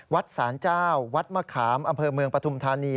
สารเจ้าวัดมะขามอำเภอเมืองปฐุมธานี